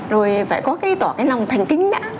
rồi phải có cái tỏa cái lòng thành kính đã